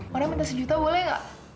orang minta sejuta boleh nggak